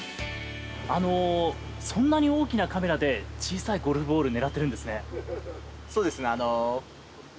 あの、そんなに大きなカメラで小さいゴルフボールねらってるんですね。